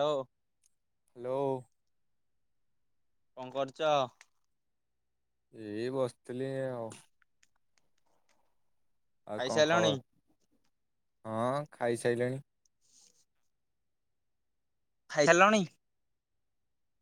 ଲୋ hello. କଣ କରୁଛ? ଏଇ ବସିଥିଲି ଆଉ। ଆଉ କଣ ଖାଇସାରିଲଣି? ଖବର? ହଁ ଖାଇସାଇଲିଣି। ଖାଇସାରିଲଣି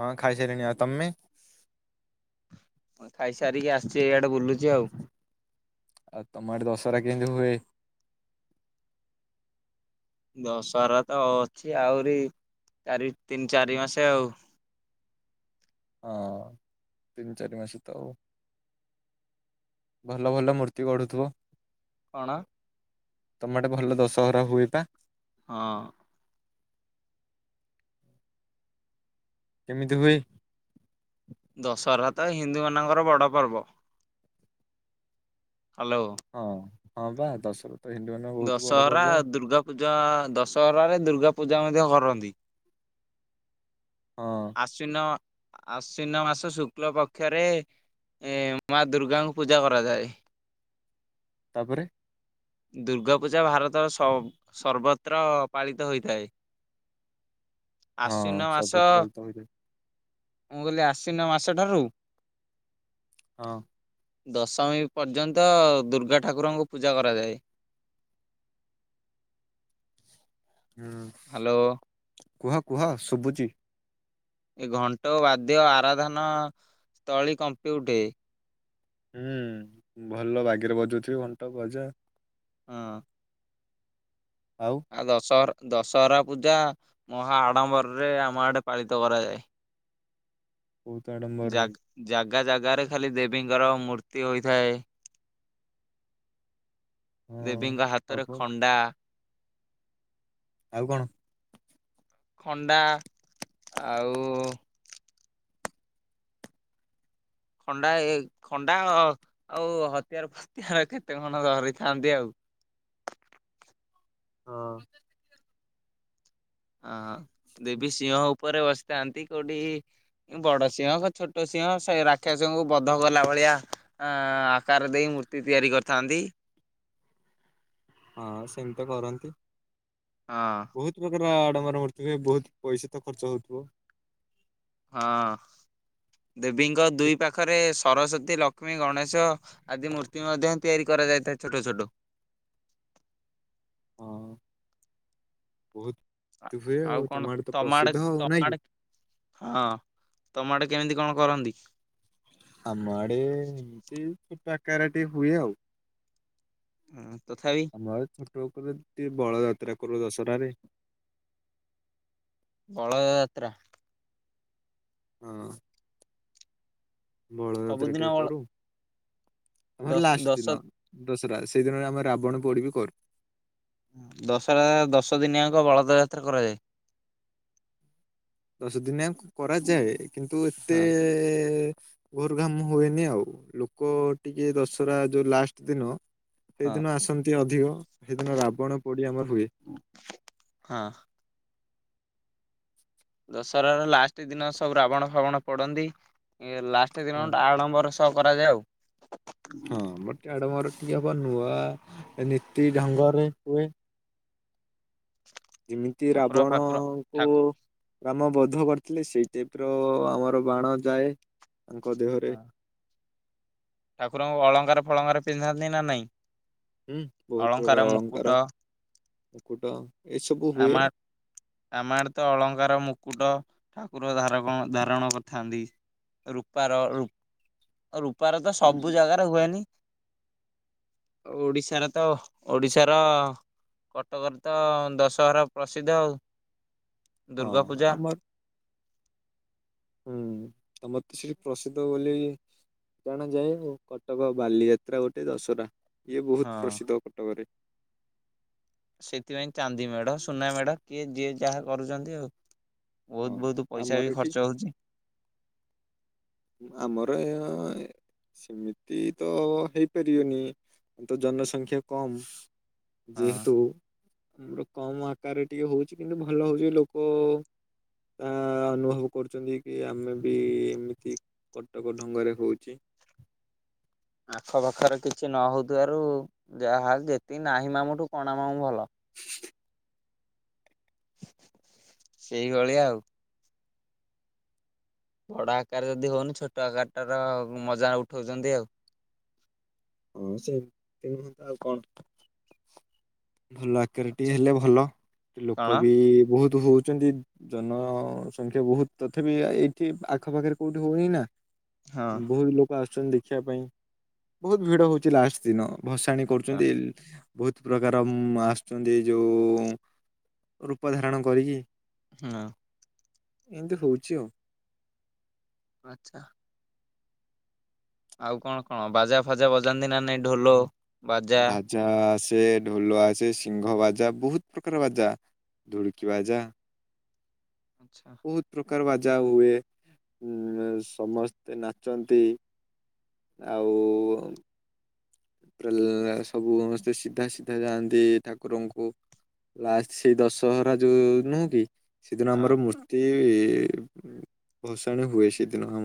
ହଁ ଖାଇସାଇଲିଣି ଆଉ ତମେ? ମୁଁ ଖାଇସାରିକି ଆସିଛି ଏଇଆଡେ ବୁଲୁଛି ଆଉ। ଆଉ ତମ ଆଡେ ଦଶହରା କେମିତି ହୁଏ? ଦଶହରା ତ ଅଛି ଆହୁରି ଚାରି ତିନି ଚାରି ମାସେ ଆଉ ହଁ ତିନି ଚାରି ମାସ ତ ହଉ ଭଲ ଭଲ ମୂର୍ତ୍ତି ଗଢୁଥିବ କଣ? ତମେ ଆଡେ ଭଲ ଦଶହରା ହୁଏ ବା। ହଁ। କେମିତି ହୁଏ? ଦଶହରା ତ ହିନ୍ଦୁମାନଙ୍କର ବଡ ପର୍ବ। ହ୍ୟାଲୋ। ହଁ ହଁ ବା ଦଶ ଦଶହରା ଦୁର୍ଗା ପୂଜା ଦଶହରା ରେ ଦୁର୍ଗା ପୂଜା ମଧ୍ୟ କରନ୍ତି। ହଁ ଆଶ୍ୱିନ ଆଶ୍ୱିନ ମାସ ଶୁକ୍ଳ ପକ୍ଷରେ ଏ ମା ଦୁର୍ଗାଙ୍କୁ ପୂଜା କରାଯାଏ। ତାପରେ ଦୁର୍ଗା ପୂଜା ଭାରତର ସର୍ବତ୍ର ପାଳିତ ହୋଇଥାଏ। ହଁ ଆଶ୍ୱିନ ସର୍ବତ ମାସ ପାଳିତ ହୋଇଥାଏ। ମୁଁ କହିଲି ଆଶିିନ ମାସ ଠାରୁ ହଁ। ଦଶମୀ ପର୍ଯ୍ୟନ୍ତ ଦୁର୍ଗା ଠାକୁରଙ୍କୁ ପୂଜା କରାଯାଏ। ହୁଁ ହାଲୋ। କୁହ କୁହ ଶୁଭୁଛି। ଏ ଘଣ୍ଟ, ବାଦ୍ୟ, ଆରାଧନା ସ୍ଥଳୀ କମ୍ପି ଉଠେ। ହୁଁ ଭଲ ବାଗେରେ ବଜଉଥିବେ ଘଣ୍ଟ ବାଜା ହଁ। ଆଉ ଆ ଦଶହର ଦଶହରା ପୂଜା ମହା ଆଡମ୍ବରରେ ଆମ ଆଡେ ପାଳିତ କରାଯାଏ। ବହୁତ ଆଡମ୍ବରରେ ଜାଗ ଜାଗା ଜାଗାରେ ଖାଲି ଦେବୀଙ୍କର ମୂର୍ତ୍ତି ହୋଇଥାଏ। ହଁ ଦେବୀଙ୍କ ହାତରେ ହବ ଖଣ୍ଡା ଆଉ କଣ? ଖଣ୍ଡା ଆଉ ଖଣ୍ଡା ଖଣ୍ଡା ଆଉ ହତିଆର ଫତିଆର କେତେ କଣ ଧରିଥାନ୍ତି ଆଉ ହଁ। ହଁ ହ ଦେବି ସିଂହ ଉପରେ ବସି ଥାନ୍ତି କୋଉଠି ବଡ ସିଂହ ଛୋଟ ସିଂହ ସେ ରାକ୍ଷସଂହଙ୍କୁ ବଧ କଲା ଭଳିଆ ଅ ଆକାର ଦେଇ ମୂର୍ତ୍ତି ତିଆରି କରିଥାନ୍ତି। ହଁ ସେମିତି କରନ୍ତି। ହଁ। ଆଡମର ମଥ ବହୁତ ପଇସା ତ ଖର୍ଚ୍ଚ ହଉଥିବ। ହଁ ଦେବୀଙ୍କ ଦୁଇ ପାଖରେ ସରସ୍ଵତୀ ଲକ୍ଷ୍ମୀ ଗଣେଶ ଆଦି ମୂର୍ତ୍ତି ମଧ୍ୟ ତିଆରି କରାଯାଇଥାଏ ଛୋଟ ଛୋଟ ହଁ ବହୁତ ଏମିତି ହୁଏ ଆଉ ତମ କଣ ଆଡେ ତ ତମାଆଡ ପ୍ରସିଦ୍ଧ ଆଉ ନାଇଁ କି ତମାଆଡ ହଁ। ତମ ଆଡ଼େ କେମିତି କଣ କରନ୍ତି? ଆମ ଆଡେ ଆକାରଟି ହୁଏ ଆଉ ହଁ। ଆମର ରୋକ ବୋଳ ଯାତ୍ରା କରୁ ଦସହରାରେ ବଳଦ ଯାତ୍ରା। ହଁ। ବଳଯାତ୍ର ସବୁଦିନ ଟିକେ ବଳ କରୁ। ଆମର ଦଶ ଲାଷ୍ଟ ଦଶ ଦିନ। ଦଶରା ସେଇଦିନରେ ଆମେ ରାବଣ ପୋଡି ବି କରୁ। ଦଶରା ଦଶ ଦିନିଆଙ୍କ ବଳଦ ଯାତ୍ରା କରାଯାଏ। ଦଶ ଦିନିଆ କରାଯାଏ କିନ୍ତୁ ଏତେ ହଁ ଘୋର ଘାମ ହୁଏନି ଆଉ ଲୋକ ଟିକେ ଦଶହରା ଯୋଉ ଲାଷ୍ଟ ଦିନ ହଁ ସେଦିନ ଆସନ୍ତି ଅଧିକ ସେଦିନ ରାବଣ ପୋଡି ଆମର ହୁଏ। ହଁ ଦଶହର ଲାଷ୍ଟ ଦିନ ସବୁ ରାବଣ ଫାବଣ ପୋଡ଼ନ୍ତି। ଲାଷ୍ଟଟ ଦିନ ହଁ ଆଳମ୍ବର କରାଯାଏ ଆଉ ହଁ ମତେ ଆଡ଼ମର [unintelligible] ନୂଆ ନୀତି ଢଙ୍ଗରେ ହୁଏ। ଯେମିତି ଠାକୁର ଫାକୁର ରାବଣଙ୍କୁ ଠାକୁ ରାମ ବ ବଦ୍ଧ କରିଥିଲେ ସେଇ ଟାଇପ ର ଆମର ବାଣ ଯାଏ। ତାଙ୍କ ହଁ ଦେହରେ ଠାକୁରଙ୍କୁ ଅଳଙ୍କାର ଫଳଙ୍କାରେ ପିନ୍ଧାନ୍ତି ନା ନାଇଁ। ହୁଁ ବହୁତ ପ୍ରକାର ଅଳଙ୍କାର ମୁକୁଟ ମୁକୁଟ ଏସବୁ ହୁଏ ଆମ ଆମାର ତ ଅଳଙ୍କାର ମୁକୁଟ ଠାକୁର ଧାରକ ଧାରଣ କରିଥାନ୍ତି ରୂପାର ରୂପାର ତ ସବୁ ଜାଗାରେ ହୁଏନି। ଓଡିଶାର ତ ଓଡିଶାର କଟକରେ ତ ଦଶହରା ପ୍ରସିଦ୍ଧ ଆଉ। ହଁ ଦୁର୍ଗା ପୂଜା ଆମର ହୁଁ ତମତେ ସେଠି ପ୍ରସିଦ୍ଧ ବୋଲି ଜଣା ଯାଏ ଆଉ କଟକ ବାଲିଯାତ୍ରା ଗୋଟେ ଦଶହରା ଇଏ ହଁ ବହୁତ ପ୍ରସିଦ୍ଧ କଟକରେ ସେଥିପାଇଁ ଚାନ୍ଦି ମେଢ ସୁନା ମେଢ କିଏ ଯିଏ ଯାହା କରୁଛନ୍ତି ଆଉ ହଁ ବହୁତ ବହୁତ ପଇସା ଆମର ବି ଏଠି ଖର୍ଚ୍ଚ ହଉଛି। ଆମର ସେମିତି ତ ହେଇପାରିବନି ତ ଜନସଂଖ୍ୟା କମ୍ ହଁ। ଯେହେତୁ ଆମର କମ ଆକାରରେ ଟିକେ ହଉଛି କିନ୍ତୁ ଭଲ ହଉଛି ଲୋକ ଆ ଅନୁଭବ କରୁଛନ୍ତି କି ଆମେ ବି ଏମିତି କଟକ ଢଙ୍ଗରେ ହଉଛି। ଆଖ ପାଖରେ କିଛି ନ ହଉଥିବାରୁ ଯାହା ଯେତିକି ନାହିଁ ମାମୁଁଠୁ କଣ ମାମୁଁ ଭଲ। ସେଇଭଳିଆ ଆଉ ବଡ ଆକାର ଯଦି ହଉନି ଛୋଟ ଆକାର ଟାର ମଜା ଉଠଉଛନ୍ତି ଆଉ ହଁ ସେମିତି ନୁହନ୍ତା ଆଉ କଣ। ଭଲ ଆକାରଟିଏ ଆଚ୍ଛା ହେଲେ ଭଲ କଣ ଲୋକ ବି ବହୁତ କୁ ହଉଛନ୍ତି ଜନସଂଖ୍ୟା ବହୁତ ତଥାପି ଏଇଠି ଆଖପାଖରେ କୋଉଠି ହଉନି ନା ହଁ ବହୁତ ଲୋକ ଆସ ଚନ୍ତି ଦେଖିବା ପାଇଁ ବହୁତ ଭିଡ଼ ହଉଛି ଲାଷ୍ଟ ଦିନ। ଭସାଣି ଆଚ୍ଛା। କରୁଛନ୍ତି। ବହୁତ ପ୍ରକାର ମ୍ ଆସୁଛନ୍ତି ଯୋଉଁ ରୂପ ଧାରଣ କରିକି ହଁ। ଏମିତିନ ହଉଛି ଆଉ ଆଚ୍ଛା। ଆଉ କଣ କଣ ବାଜା ଫାଜା ବଜାନ୍ତି ନା ଏ ଢୋଲ ବାଜା ସେ ଢୋଲ ଆସେ ସିଂହ ବାଜା ବହୁତ ପ୍ରକାର ବାଜା ଢୁଳକି ବାଜା ଆଚ୍ଛା। କାର ବାଜା ହୁଏ ଉ ସମସ୍ତେ ନାଚନ୍ତି ଆଉ ଏପ୍ର ସବୁ ସମସ୍ତେ ସିଧା ସିଧା ଯାଆନ୍ତି ଠାକୁରଙ୍କୁ ଲାଷ୍ଟ ସେଇ ଦଶହରା ଯୋଉ ନୁହଁ କି ସେଦିନ ହଁ। ଆମର ମୂର୍ତ୍ତି ଏ ବଷାଣ ହୁଏ ସେ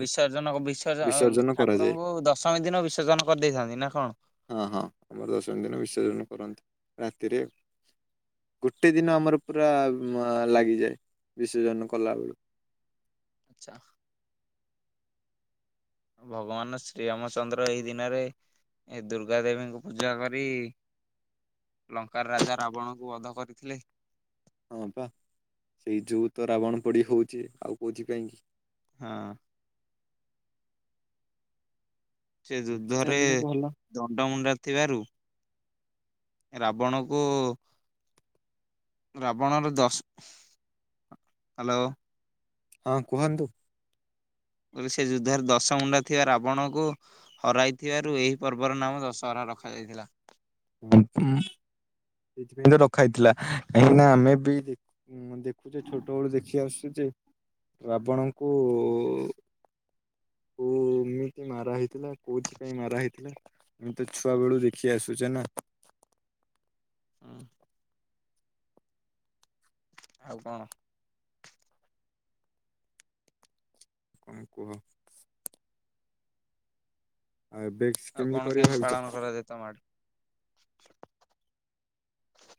ବିସର୍ଜନ ବିସର୍ଜନ କରାଯାଏ। ଠାକୁରଙ୍କୁ ଦଶମୀ ଦିନ ବିସର୍ଜନ କରିଦେଇଥାନ୍ତି। ନା କଣ? ହଁ ହଁ ଆମର ଦଶମୀ ଦିନ ବିସର୍ଜନ କରନ୍ତି। ରାତିରେ ଗୋଟେ ଦିନ ଆମର ପୁରା ଲାଗିଯାଏ ବିସର୍ଜନ କଲାବେଳୁ ଆଚ୍ଛା। ଭଗବାନ ଶ୍ରୀରାମଚନ୍ଦ୍ର ଏଇ ଦିନରେ ଏ ଦୁର୍ଗା ଦେବୀଙ୍କୁ ପୂଜା କରି ଲଙ୍କାର ରାଜା ରାବଣଙ୍କୁ ବଧ କରିଥିଲେ। ହଁ ପା ସେଇ ଯୋଗୁଁ ତ ରାବଣ ପୋଡି ହଉଛି ଆଉ କହୁଛି କାହିଁକି ହଁ। ସେ ଏମିତି ଯୁଦ୍ଧରେ ଚାଲିଲେ ଭଲ ଦଣ୍ଡ ମୁୁଣ୍ଡା ଥିବାରୁ ରାବଣ କୁ ରାବଣର ଦଶ ହ୍ୟାଲୋ। ହଁ କୁହନ୍ତୁ। ବୋଲି ସେ ଯୁଦ୍ଧରେ ଦଶମୁଣ୍ଡା ଥିବା ରାବଣକୁ ହରାଇଥିବାରୁ ଏହି ପର୍ବର ନାମ ଦଶହରା ରଖାଯାଇଥିଲା। ଉଁ ହୁଁ। ସେଥିପାଇଁ ତ ରଖାହେଇଥିଲା କାହିଁକି ନା ଆମେ ବି ହୁଁ ଦେଖୁଛେ ଛୋଟ ବେଳୁ ଦେଖି ଆସୁଚି। ସେ ରାବଣଙ୍କୁ କୋଉମିତି ମାରା ହେଇଥିଲା କୋଉଥି ପାଇଁ ମାରା ହେଇଥିଲା ମୁଁ ତ ଛୁଆ ବେଳୁ ଦେଖି ଆସୁଛେ ନା ହୁଁ। ଆଉ କଣ କଣ କୁହ। ଆଉ ବ୍ୟକ୍ସ ଆଉ କେମିତି କଣ କରିବ ଭାବିଚ? ପାଳନ କରାଯାଏ ତମ ଆଡେ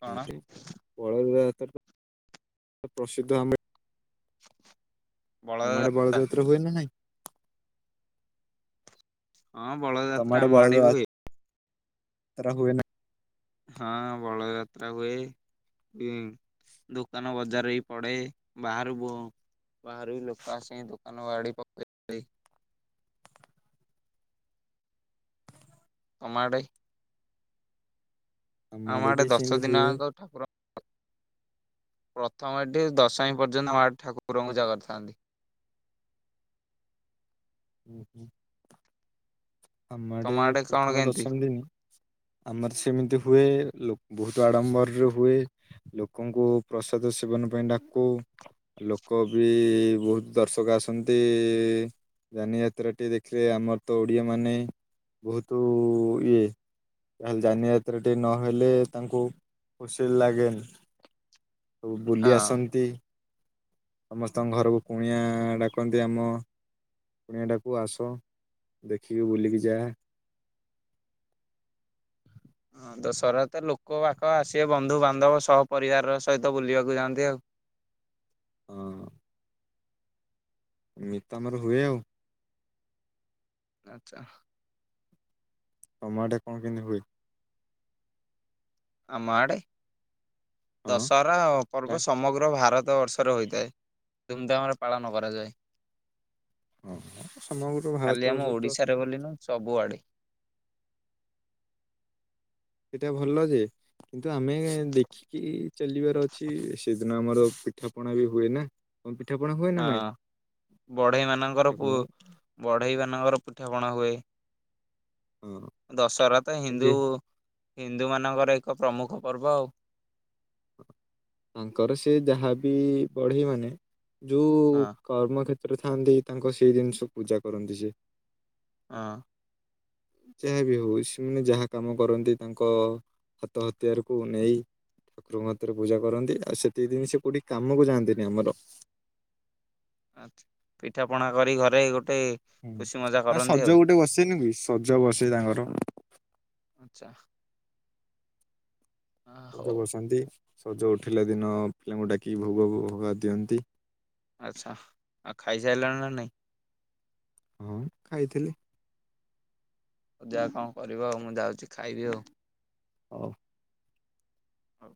କଣ ଏମିତି [unintelligible] [unintelligible] ପ୍ରସିଦ୍ଧ ଆମେ ତମ ବଳଦ ଆଡେ ବଳଯାତ୍ରା ହୁଏ ନା ନାହିଁ? ହଁ ବଳଯାତ୍ରା ଆମ ଆଡେ ବି ହୁଏ। ଯାତ୍ରା ହୁଏ ନା ହଁ ବଳଯାତ୍ରା ହୁଏ ଉଁ ଦୋକାନ ବଜାର ବି ପଡେ ବାହାରୁ ବ ବାହାରୁ ଲୋକ ଆସି ଦୋକାନ ବାଡି ପକେଇବା ପାଇଁ। ତମ ଆଡେ ଆମ ବି ଆଡେ ସେମିତି ଦଶଦିନ ହୁଏ ଜାଙ୍କ ଠାକୁର ପ୍ରଥମ ଏଠି ଦଶମୀ ପର୍ଯ୍ୟନ୍ତ ଆମ ଆଡେ ଠାକୁରଙ୍କୁ ପୂଜା କରିଥାନ୍ତି। ଉଁ ହଁ। ଆମ ତମ ଆଡେ କଣ ପ୍ରଥମେ କେମିତି? ଦଶମୀ ଦିନ ଆମର ସେମିତି ହୁଏ ଲୋକ ବହୁତ ଆଡ଼ମ୍ବରରେ ହୁଏ ଲୋକଙ୍କୁ ପ୍ରସାଦ ସେବନ ପାଇଁ ଡାକୁ ଲୋକ ବି ବହୁତ ଦର୍ଶକ ଆସନ୍ତି ଜାନିଯାତ୍ରା ଟି ଦେଖିଲେ ଆମର ତ ଓଡିଆ ମାନେ ବହୁତ୍ ଇଏ ତାହାଲେ ଯାନିଯାତ୍ରା ଟିକେ ନହେଲେ ତାଙ୍କୁ ଖୁସି ଲାଗେନି ସବୁ ବୁଲି ହଁ। ଆସନ୍ତି। ସମସ୍ତଙ୍କ ଘରକୁ କୁଣିଆ ଡାକନ୍ତି ଆମ କୁଣିଆ ଡାକୁ ଆସ। ଦେଖିକି ବୁଲିକି ଯା। ହଁ ଦଶହରା ତ ଲୋକବାକ ଆସିବେ ବନ୍ଧୁ ବାନ୍ଧବ ସହ ପରିବାର ସହିତ ବୁଲିବାକୁ ଯାଆନ୍ତି ଆଉ। ହଁ। ଏମିତି ତଆମର ହୁଏ ଆଉ। ଆଚ୍ଛା। ତମ ଆଡେ କଣ କେମତି ହୁଏ। ଆମ ଆଡ଼େ। ହଁ ଦଶହରା ଡା ପର୍ବ ସମଗ୍ର ଭାରତ। ତ ବର୍ଷରେ ହୋଇଥାଏ ଧୁମଧାମରେ ପାଳନ କରାଯାଏ। ହଁ ସମଗ୍ର ଖାଲି ଭାରତବର୍ଷ ଆମ ତ ଓଡିଶାରେ ବୋଲି ନୁହଁ ସବୁଆଡେ। ସେଇଟା ଭଲ ଯେ କିନ୍ତୁ ଆମେ ଦେଖିକି ଚାଲିବାର ଅଛି ସେଦିନ ଆମର। ପିଠା ପଣା ବି ହୁଏ ନା। ତମ ପିଠାପଣା ହୁଏ ନା ନାଇଁ ହଁ ବଢେଇ ମାନଙ୍କର ପୁ ପିଠାପଣା ହଁ ବଢେଇ ମା। ନଙ୍କର ପିଠାପଣା ହୁଏ। ଦଶହରା ତ ହିନ୍ଦୁ। ଯେ ହିନ୍ଦୁ ମାନଙ୍କର ଏକ ପ୍ରମୁଖ ପର୍ବ ଆଉ। ତାଙ୍କର ସେ ଯାହା ବି ବଢେଇ ମାନେ। ଯୋଉ ହଁ କର୍ମ କ୍ଷେତ ତ୍ର ରେ ଥାଆନ୍ତି ତାଙ୍କ ସେଇ ଜିନିଷ ପୂଜା କରନ୍ତି ସେ। ହଁ। ଯାହା ବିି ହଉ ସେମାନେ ଯାହା କାମ କରନ୍ତି ତାଙ୍କ ହାତ ହତିଆରକୁ ନେଇ ଠାକୁରଙ୍କ କତିରେ ପୂଜା କରନ୍ତି ଆଉ ସେତିକ ଦିନ ସେ କୋଉଠି କାମକୁ ଯାଆନ୍ତିନି ଆମର। ଆଛା ପିଠା ପଣା କରି ଘରେ ଗୋଟେ। ଖୁସି ମଜା ନା କରନ୍ତି ଆଉ। ସଜ ଗୋଟେ ବସେନି କି ସଜ ବସେ ତାଙ୍କର। ଆଚ୍ଛା ଆ ସଜ ହଉ ବସନ୍ତି। ସଜ ଉଠିଲା ଦିନ ପିଲାଙ୍କୁ ଡାକିକି ଭୋଗ ଭୋଗା ଦିଅନ୍ତି। ଆଛା ଆଉ ଖାଇସାରିଲଣି ନା ନାଇଁ? ହଁ ଖାଇଥିଲି। ହଉ ଯାଅ କଣ କରିବ ଆଉ ମୁଁ ଯାଉଛି। ଖାଇବି ଆଉ। ହଉ। ହଉ।